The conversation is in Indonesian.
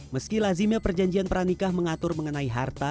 meski lazimnya perjanjian pernikah mengatur mengenai harta